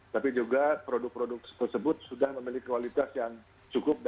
tapi juga produk produk tersebut sudah memiliki kualitas yang cukup